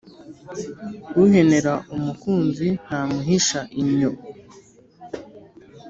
Uhenera umukunzi ntamuhisha innyo.